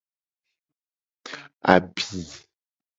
Abi.